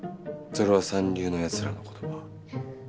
それは三流のやつらのことば。